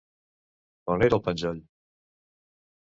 On era el penjoll?